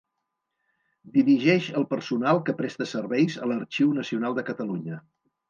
Dirigeix el personal que presta serveis a l'Arxiu Nacional de Catalunya.